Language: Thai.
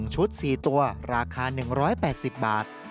ชุด๔ตัวราคา๑๘๐บาท